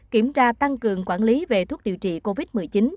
kiểm tra tăng cường quản lý về thuốc điều trị covid một mươi chín